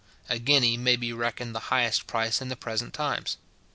A guinea may be reckoned the highest price in the present times.